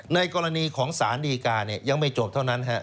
ในกรณีของสารดีการยังไม่จบเท่านั้นครับ